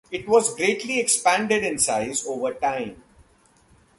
It was greatly expanded in size over time.